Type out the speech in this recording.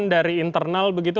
dari internal begitu